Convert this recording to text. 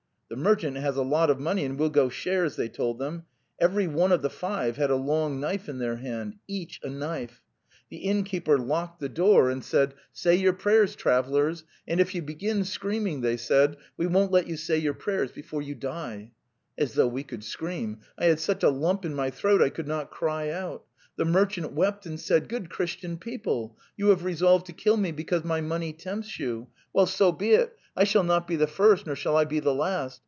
'The merchant has a lot of money, and we'll go shares,' they told them. Every one of the five had a long knife in their hand... each a knife. The innkeeper locked the door and phe The Tales of Chekhov said: Say) your (prayers, \travellersy /) Wangan you begin screaming,' they said, 'we won't let you say your prayers before you die... .' As though we could scream! I had such a lump in my throat I could not cry out. ... The merchant wept and said: 'Good Christian people! you have resolved to kill me because my money tempts you. Well, so be it; I shall not be the first nor shall I be the last.